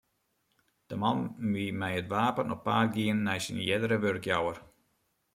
De man wie mei it wapen op paad gien nei syn eardere wurkjouwer.